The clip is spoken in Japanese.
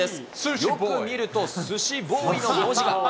よく見ると、スシボーイの文字が。